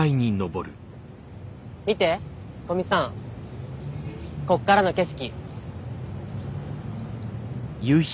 見て古見さんこっからの景色。